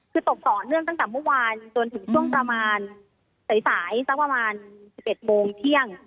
คือตกต่อเนื่องตั้งแต่เมื่อวานจนถึงช่วงประมาณสายสักประมาณ๑๑โมงเที่ยง